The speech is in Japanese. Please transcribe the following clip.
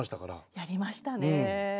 やりましたねえ。